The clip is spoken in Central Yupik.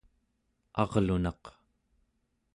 arlunaq